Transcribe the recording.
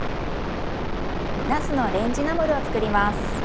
なすのレンジナムルを作ります。